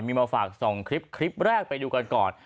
มีมาฝาก๒คลิปคลิปแรกไปดูกันก่อน